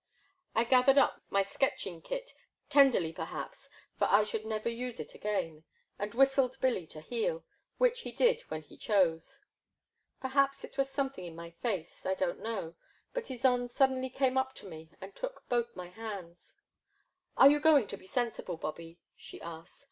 '* I gathered up my sketching kit, tenderly per haps, for I should never use it again, and whistled Billy to heel, — ^which he did when he chose. Perhaps it was something in my face — I don't know— ^but Ysonde suddenly came up to me and took both my hands. Are you going to be sensible, Bobby ?" she asked.